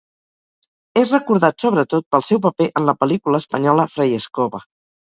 És recordat sobretot pel seu paper en la pel·lícula espanyola "Fray Escoba".